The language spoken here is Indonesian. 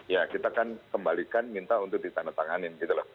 ya kita kan kembalikan minta untuk ditandatangani